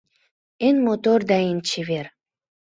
Эн мотор да эн чевер!»